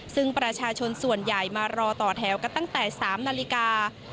ซึ่งประชาชนส่วนใหญ่มารอต่อแถวกันตั้งแต่๓นาฬิกา